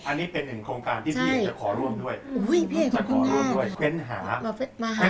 อันนี้เป็นหนึ่งโครงการที่พี่เอดจะขอร่วมด้วย